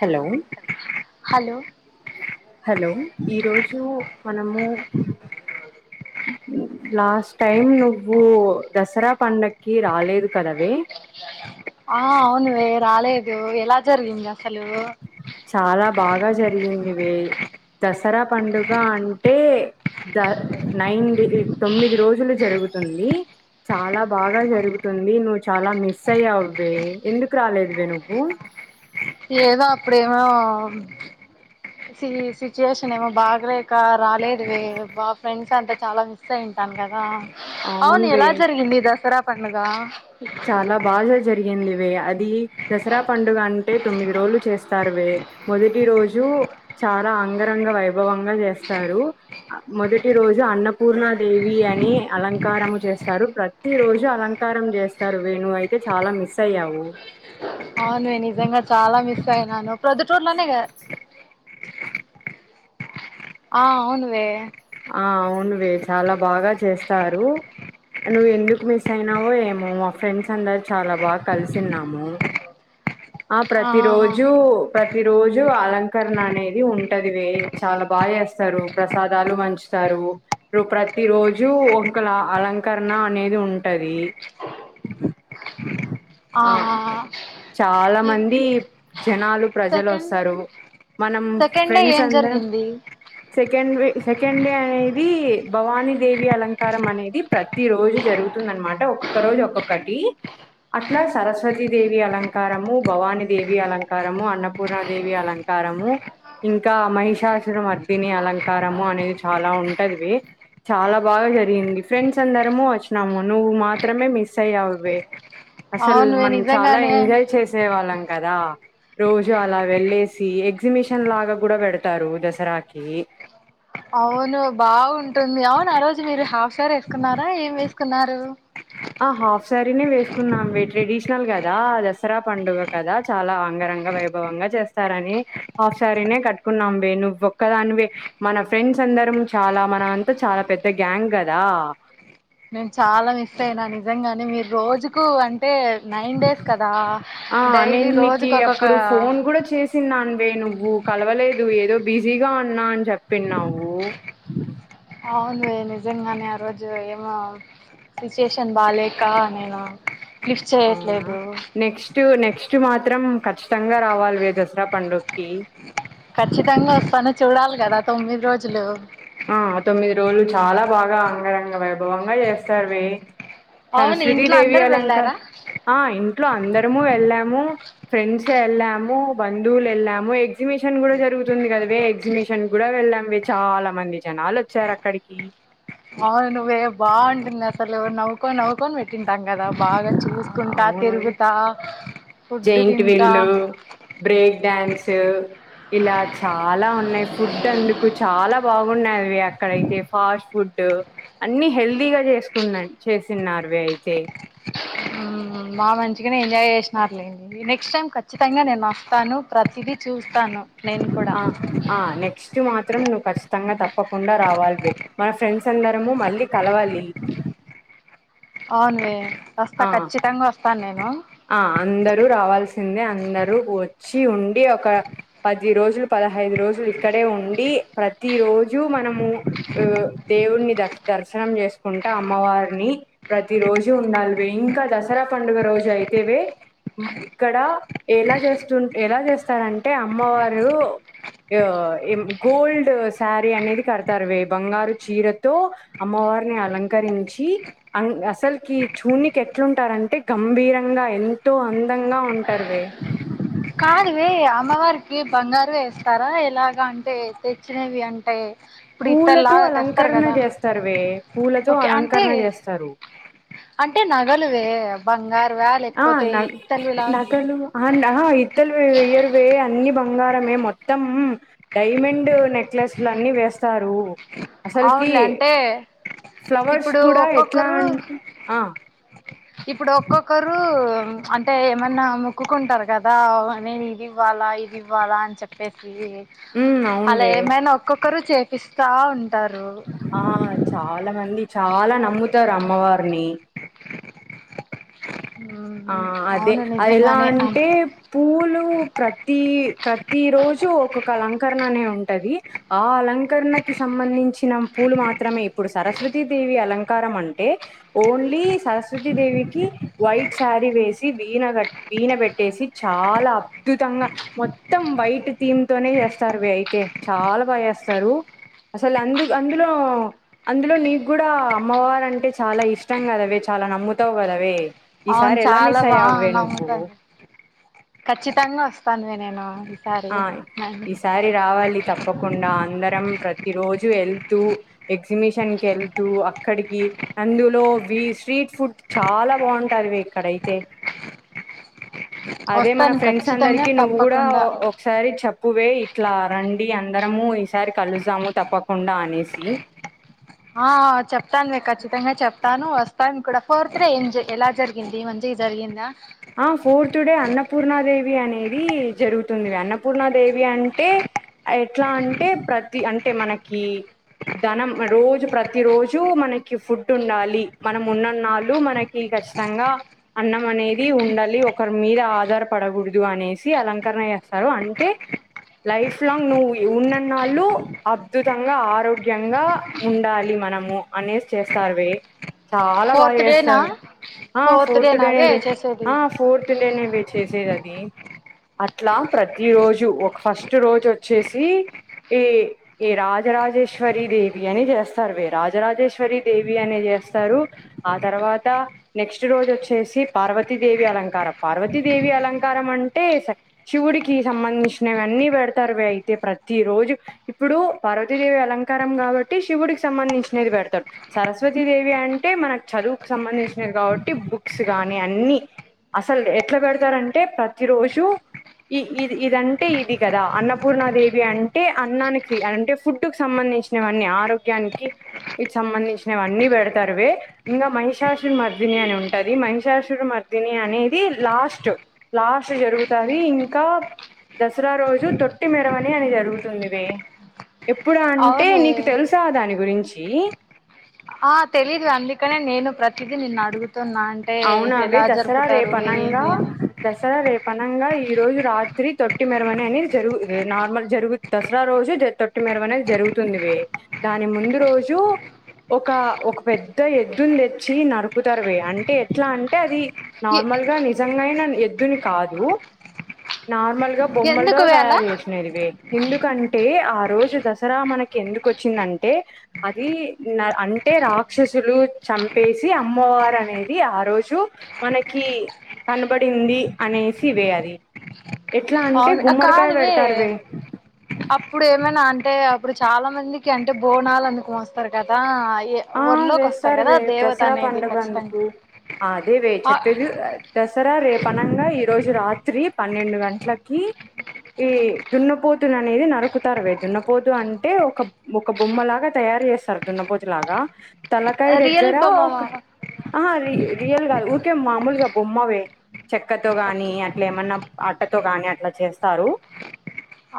Hello hello hello ఈరోోజు మనము last time నువ్వు దసరా పండక్కి రాలేదు కదావే ఆ అవునువే రాలేదు ఎలా జరిగింద చాలా బాగా జరిగింది వే దసరా పండుగ అంటే ద నైన్ డే తొమ్మిది రోజులు జరుగుతుంది చాలా బాగా జరుగుతుం ంది నువ్వు చాలా మిస్ అయ్యావ్ వే ఎందుకు రాలేదువే నువ్వు ఏదో అప్పుడమ సి సిచ్యుయేషన్ ఏమో బాగలేక రాలేదు వే బా ఫ్రెండ్స్ అంతా చాలా మిస్ అయి్ టన్ కదా అవును అవునువే ఎలా జరిగింది దసరా పండగ చాలా బాగా జరిగిందివే అది దసరా పండుగ అంటే తొమ్మిది రోజులు చేస్తారువే మొదటి రోజు చాలా అంగరంగ వైభవంగా చేస్తారు మొదటి రోజు రోజు అన్నపూర్ణ దేవి అని అలంకారం చేస్తారు ప్రతి రోజు అలంకారం చే స్తారు వేణ అయితే చాలా మిస్ అయ్యావు ఆ నేను నిజంగా చాలా మిస్ అయినాను ప్రొదుటూర్లోనే కదా ఆ అవునువే ఆ అవునువి చాలా బాగా చేస్తారు నువ్వు ఎందుకు మిస్ అయినావో ఏమో మా ఫ్రెండ్స్ అందరు చాలా బాగా కలిసిన్నాము ఆ ప్రతి రోజు ప్రతి ప్రతి రోజు అలంకరణ అనేది ఉంటదివే చాలా బాగా చేస్తారు ప్రసాదాలు మంచి వుతారు ప్రతి రోజు ఒకక అలంకరణ అనేది ఉంటది ఆ చాలా మంది జనాలు ప్రజలు సెకండ్ వస్తారు మనం సెకండ్ డే ఫ్రెండ్స్ ఏం అంద జరిగింది సెకండ్ సకడే అనేది భవాని దేవి అలంకారం అనేది ప్రతి రోజు జరుగుతుంది అనమాట ఒక ఒక రోజు ఒక్కొక్కటి అట్లా సరస్వతీ దేవి అలంకారము భవాని దేవి అలంకారము అన్నపూర్ణాదేవి అలంకారం ఇంకా మహిషాసురం మర్దిని అలంకారము అనేది చాలా ఉంటదివి చాలా బాగా జరిగింది ఫ్రెండ్స్ అందరము వచ్చినాము నువ్వు మాత్రమే మిస్ అయ అవ అసలు అవునువే మనం చాలా నిజంగానే ఎంజాయ్ చేసే వాళ్ళం కదా రోజు అలా వెళ్ళేసి ఎగ్జిబిషన్ లాగా కూడా పెడతారు దసరాకి అవును బాగుంటుంది అవును ఆ రోజు మీరు హాఫ్ అన్ అవర్ వేసుకున్నారా ఏం వేసుకున్నారు ఆ హాఫ్ సారీనే వేసుకున్నాం ట్రెడిషనల్ కదా దసరా పండుగ కదా చాలా ఆంగర వైభవంగా చేస్తారని హాఫ్ సార కట్టుకున్నాం ను ఒక్కదాని మన ఫ్రెండ్ అందరం చాలా మన అంతా చాలా పెద్ద గ్యాంగ్ కదా నేను చాలా మిస్ అయినా నిజంగానే మీరు రోజుకు అంటే నైన్ డేస్ కదా ఆ డైలీ రోజుకి ఒకొక న్నావే నువ్వు కలవలేదు ఏదో బిజీగా ఉన్నా అని చెప్పిన వ్వు [unintelligible] అవునువే నిజంగానే ఆ రోజు ఏమో సిచ్యుయేషన్ బాలేక నేను లిఫ్ట్ అవునా చేయట్లేదు నెక్స్ట్ నె క్స్ట్ మాత్రం ఖచ్చితంగా రావాలి వే దసరా పండుగకిి ఖచ్చితంగా వస్తాను చూడాలి కదా తొమ్మిది రోజులు ఆ తొమ్మిది రోజులు చాలా బాగా అంగరంగ వైభవంగా చేస్తారువే అవును సరస్వతి ఇంట్లో దేవి అందరు అలంక వెళ్ళారా ఆ ఇంకా ఇంట్లో అందరము వెళ్ళాము ఫ్రెండ్స్ వెళ్ళాము బంధువులు వెళ్ళాము ఎగ్జిబిషన్ కూడా జరుగు రుగుతుంది కదావ ఎగ్జిబిషన్ కూడా వెళ్ళాం చాలా మంది జనాలు వచ్చారు అక్కడికి ఆవును వే బాగుంటంది అసలు నవ్వుకొని నవ్వుకొని బె తింటాం కదా బాగా చూసుకుంటా అవును తిరుగుతా ఫుడ్డు జైంట్ తింటా వీల్లు బ్రేక్ డ్యాన్స్ ఇలా చాలా ఉన్నాయి ఫుడ్ అందుకు చాలా బాగున్నావి అక్కడయితే ఫాస్ట్ ఫుడ్ అన్ని హెల్దీగా చేసుకున్న చేసిన్నారు వే అయితే బాగా మంచిగానే ఎంజాయ్ చేసినారు లే నెక్స్ట్ టైం ఖచ్చితంగా నేను వస్తాను ప్రతిదీ చూస్త ఆ నెక్స్ట్ మా మాత్రం నువ్వు ఖచ్చితంగా తప్పకుండా రావాలి వే మన ఫ్రెండ్స్ అందరము మళ్ళీ కలవాలి [inaudible] అవునువే వస్తా ఆ ఖచ్చితంగా వస్తాను నేను ఆ అందరూ రావాల్సిందే అందరూ వచ్చి ఉండి ఒక పది రోజులు పదహైదు రోజులు ఇక్కడే ఉండి, ప్రతి రోజు మనము ఉమ్ దేవున్నీ దర్ దర్శనం చేసుకుంట, అమ్మవారిని ప్రతి రోజు ఉండాలివే ఇంకా దసరా కండుగ రోజు అయితే వే ఇక్కడ ఎలా చేస్తు ఎలా చేస్తారంటే అమ్మవారు ఆ గోల్డ్ శారీ అనేది కడతారువే, బంగారు చీరతో అమ్మ వారిని అలంకరించి అం అసల్కి చూన్నీకి ఎట్లుంటారంటే గంభీర ఇంగ ఎంతో అందంగా ఉంటారు వే కాదు వే అమ్మవారికి బంగారు వేస్తారా? ఎలాగ అంటే తెచ్చినవి అంటే ఇప్పుడు పూలతో ఇత్తడిలాగా తెస్తారు అలంకరణ కదా చేస్తారువే, పూలతో ఓకే అంటే అలంకరణ చేస్తారు అంటే నగలువే, బంగారు ఆ న నగలు నా గలువే వెయ్యరు వే అన్ని బంగారమే మొత్తం, డైమండ్ నెక్లెస్లు అన్ని వేస్ స్తారు అసల్కి అవునులే అంటే ఫ్లవర్స్ ఇప్పుడు కూడా ఎట్లా అంట్ ఆ ఇప్పుడుక్కొక్కరు అంటే ఏమన్నా మొక్కుకుంటరు కదా, నేను ఇది ఇవ్వాలా ఇది ఇవ్వాలా అని చెప్పేసి ఉమ్ అలా అవునువే ఏమైనా ఒక్కొక్కరు చేపిస్తా ఉంటారు. ఆ చాలా మంది చాలా నమ్ముతారు అమ్మవారిని. ఆ అదే అవును ఎలా నిజంగానే అంటే పూలు ప్రతీ ప్రతి రోజు ఒక్కొక్క అలంకరణ అనే ఉంటది, ఆ అలంకరణకిి సంబంధించిన పూల్ పులు మాత్రమే ఇప్పుడు సరస్వతి దేవి అలంకారం అంటే, ఓన్లీ సరస్వతి దేవికి వైట్ శారీ వేసి వీణ కట్టి వీణ పెట్టేసి, చాలా అద్భుతంగా మొత్తం వైట్ థీమ్ తోనే చేస్తారు వే అయితే చాలా బాగా చేస్తారు. అసలు అందు అందులో, అందులో నీకు కూడా అమ్మవారంటే చాలా ఇష్టం కదవే చ చాలా నమ్ముతావుగదవే అవును చాలా బా నమ్ముతానే, ఖచ్చితంగా వస్తాను వే నేను ఈసారి ఆ ఈసారి రావాలి. తప్పకుండా అందరం ప్రతి రోజు వెళ్తూ, ఎగ్జిబిషన్ కెళ్తూ అక్కడికి అందులో వి స్ట్రీట్ ఫుడ్ చాలా బాగుంటాదివే ఇక్కడయితే అదే మన వస్తాను ఫ్రెండ్స్ ఖచ్చితంగా అందరికి నువ్వు కూడా తప్పకుండా ఒక్ చెప్పువే ఇట్లా రండి అందరము ఈసారి కలుసాము తప్పకుండా అనేసి. ఆ చెప్తాను వే కచ్చితంగా చెప్తాను వస్తాను కూడ, ఫోర్త్ డే ఏం జ ఎలా జరిగగింది మంచి జరిగిందా? ఆ ఫోర్త్ డే అన్నపూర్ణాదేవి అనేది జరుగుతుంది, అన్నపూర్ణాదేవి అంటే ఎట్లా అంటే ప్రతి అంటే మనకి ధనం రోజు ప్రతి రోజు మనకి ఫుడ్ ఉండాలి, మనం ఉన్నన్నాళ్ళు మనకి ఖచ్చితంగా అన్నం అనే ది ఉండాలి ఒకరి మీద ఆధారపడకూడదు అనేసి అలంకరణ చేస్తారు, అంటే లైఫ్ లాంగ్ నువ్వు ఉన్నన్నాళ్ళు అద్భుతంగా ఆరోగ్యంగా ఉండాలి. మనము అనేస్ చేస్తారు వే. చాలా బాగా ఫోర్త్ డేనా చేస్తారు, ఆ డే ఫోర్త్ నావే డేనేవి చేసేది ఆ ఫోర్త్ డేనే వే చేసేదది అట్లా ప్రతి రోజు ఒక ఫస్ట్ రోజు వచ్చేసి ఏ ఏ రాజరాజేశ్వరి దేవి అని చేస్తారు వే, రాజరాజేశ్వరి దేవి అనే చేస్తారు ఆ తర్వాత నెక్స్ట్ రోజు వచ్చేసి పార్వత్ తి దేవి అలంకారం, పార్వతీదేవి అలంకారం అంటే స శివుడికి సంబంధించినవివన్నీ పె పెడతారు వే అయితే ప్రతి రోజు, ఇప్పుడు పార్వతీదేవి అలంకారం కాబట్టి శివుడికి సంబంధించినయి పెడతారు, సరస్వతీ దేవి అంటే మనకు చదువుకు సంబంధించినది కాబట్టి బుక్స్ కానీ అన్ని అసలు ఎట్లా పెడతారంటే ప్రతి రోజు ఇది ఇదంటే ఇది కదా అన్నపూర్ణాదేవి అంటే అన్నానికి అంటే ఫుడ్కి సంబంధించ సిన వన్నీ ఆరోగ్యానికి వీటి సంబంధించినవిన్నీ పెడతారువే ఇంకా మహిషాసురి మర్దిని అని ఉంటది మహిషాసురి మర్ది దిని అనేది లాస్ట్ లాస్ట్ జరుగుతది ఇంకా దసరా రోజు తొట్టి మేరవని అని జరుగుతుందివ ఎప్పుడు అంటే అవునే నీకు తెలుసా దాని గురించి ఆ తెలిదు అందు కనేే నేను ప్రతిదీ నిన్ను అడు తున్నా అంటే అవును అవే ఎలా దసరా జరుపుతారు ఏది అనేసి పనంగా ఈ రోజు రాత్రి తొట్టి మెరవని అనేది జరుగుంది నార్మల్ జరుగు దసరా రోజు తొట్టి మ మర అనేది జరుగుతుందివి దాని ముందు రోజు ఒక ఒక పెద్ద ఎద్దుని తెచ్చి నరుకుతారువే అంటే ఎట్లా అంటే అది ఎ నార్మల్ గా నిజంగాయిన ఎద్దుని కాదు నార్మల్ గా బొమ్మలలో ఎందుకు వే అలా తయారు చేసినదివి ఎందుకంటే ఆ రోజు దసరా మనకి ఎందుకు వచ్చిందంటే అది న అంటే టే రాక్షసులు చంపేసి అమ్మవార అనేది ది ఆ రోజు మనకి కనబడింది అనేసి ఇవే అది ఎట్లా అంటే అవును గుమ్మడికాయ కానివ పెడతారు వే అప్పుడు ఏమైనా అంటే అప్పుడు చాలా మందికి అంటే బోనాలు అందుకు వస్తారు కదా ఆ ఊర్లోకి వస్తారు వేస్తారు కదా వే దేవత దసరా అనేది పండుగ ఖచ్చితంగా అందుకు అదే వే ఆ చెప్పవే అ తే సరా రేపు అనంగా ఈ రోజు రాత్రి పన్నెండు గంటలకి ఈ దున్నపోతు అనేది నరుకుతారువే దున్నపోతు అంటే ఒక ఒక బొమ్మలాగా తయ తయర్ చేస్తారు దున్నపోతు లాగా తలకాయ రియల్ దగ్గర బొమ్మ ఒక ఆహా రి రియల్గా ఊరికే మామూలుగా బొమ్మవే చెక్కతో గాని ఓకే అట్లా ఏమన్నా ఆట్ట తో గాని అట్లా చేస్తారు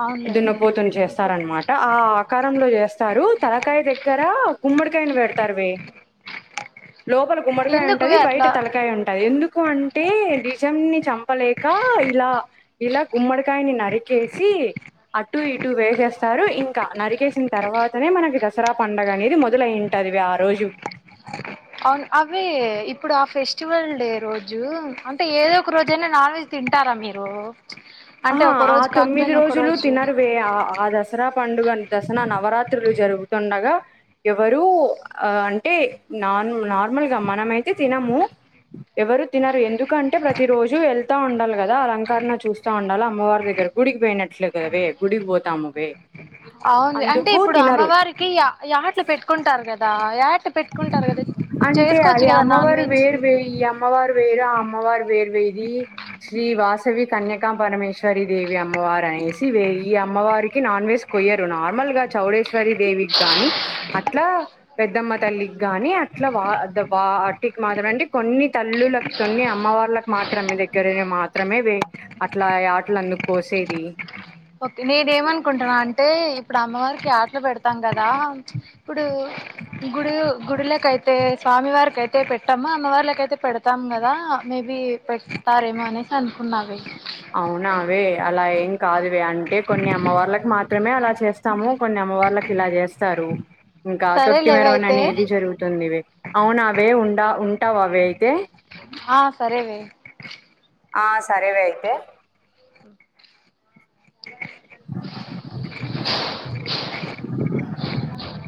అవునులేవే దున్నపోతుని చేస్తారనమాట ఆ ఆకారంలో చేస్త స్తారు తలకాయ దగ్గర కుమ్మడికాయని పెడతారు వే లోపల కుమ్మడికాయ ఉంటుంది ఎందుకువే బయట అట్లా తలకాయ ఉంటుంది ఎందుకు అంటే నిజం ని చంపలేక ఇలా ఇలా గుమ్మడికాయని నరికేసి అటు ఇటు వేసేస్తారు ఇంకా నరికేసిన తర్వాతనే మనకి దసరా పండగ అనేది మొ దుల ఏంటదివి ఆ రోజు అవును అవే ఇప్పుడు ఆ ఫెస్టివల్ డే రోజు అంటే ఏదో ఒక రోజైనా నాన్ వెెజ్ తింటారా మీరు ఆ అంటే ఒక ఆ రోజు తొమ్మిది కాకపోయినా ఒక రోజులు రోజు తినరు వే ఆ ఆ దశ దసరా పండుగ దశన నవరాత్రులు జరుగుతుండగా ఎవరుూ అంటే నార్ నార్మల్గా మనమైతే తినము ఎవరు తినరు ఎందుకంటే ప్రతి రోజు వెళ్తా ఉండాలి కదా అలంకారణ చూస్త ఉండల అమ్మవారి దగ్గర గుడికి పోయినట్లే కదావే గుడికి పోతామువే అవును అంటే అందుకు ఇప్పుడు తినరు అమ్మవారికి యా యాట్లు పెట్టుకుంటారు కదా యా అట్ట పెట్టుకుంటారు కదా అంటే చేసుకోవచ్చు కదా నాన్ వెజ్ వేరా అమ్మవార్ వేర్వేది శ్రీ వాసవి కన్యకం పరమేశ్వరి దేవి అమ్మవారు ఈ అమ్మవారికి నాన్ వెజ్ కొయ్యారు నార్మల్ గా చౌడేశ్వరి దేవి కాని అ ఆ పెద్దమ్మ తల్లికి గాని అట్లా వా వా వాటికి మాత్రం అంటే కొన్ని తల్లుల కొన్ని అమ్మవళ్లకు మా మాత్రం దగ్గర మాత్రమే అట్లా ఆటలు అందుకు కోసేది ఓకే నేను ఏమనుకుంటున్నా అంటే ఇప్పుడు అమ్మవరికి ఆటలు పెడతాం కదా ఇప్పుడు గుడి గుడిలకైతే స్వామి వారికైతే పెట్టామ్మ అమ్మవార్లకైతే పెడతాం కదా మేబి పెడుస్తారేమో అనేసి అనుకున్నావే అవునావే అలా ఏం కాదువే అంటే కొన్ని అమ్మవార్లకు మాత్రమే అలా చేస్తాము కొన్ని అమ్ అమ్మ వాళ్ళకి ఇలా చేస్తారు ఇంకా సరే తొట్టి మెరవన లేవయితే అనేది జరుగుతుంది ఇవి అవునా అవే ఉండా ఉంటావు అవ అయితే ఆ సరే వె ఆ సరే వె అయితే